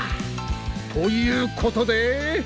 ということで。